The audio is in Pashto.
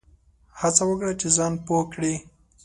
هڅه وکړه چي ځان پوه کړې !